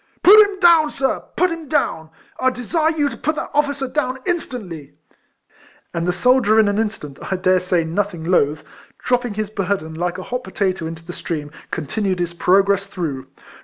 " Put him down, sir ! put him down ! I desire you to put that officer down in stantly !" And the soldier in an instant, I dare say nothing loth, dropping his burden, like a hot potatoe, into the stream, continued his progress through.